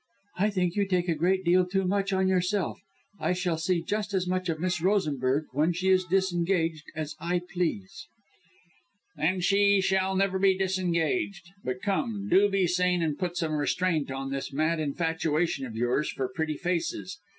"I think you take a great deal too much on yourself. I shall see just as much of Miss Rosenberg, when she is disengaged, as I please." "Then she never shall be disengaged. But come, do be sane and put some restraint on this mad infatuation of yours for pretty faces.